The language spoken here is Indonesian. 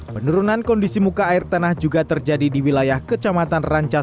penurunan kondisi muka air tanah juga terjadi di wilayah kecamatan rancana